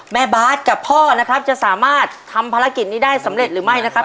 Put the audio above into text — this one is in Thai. บาทกับพ่อนะครับจะสามารถทำภารกิจนี้ได้สำเร็จหรือไม่นะครับ